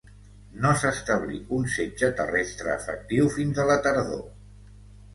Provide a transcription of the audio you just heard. No s'establí un setge terrestre efectiu fins a la tardor.